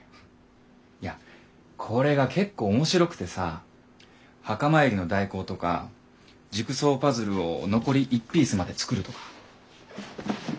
いやこれが結構面白くてさ墓参りの代行とかジグソーパズルを残り１ピースまで作るとか。